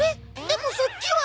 でもそっちは？